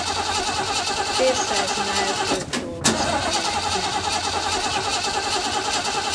Félszáznál több dolgozata jelent meg nyomtatásban.